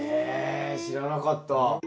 知らなかった。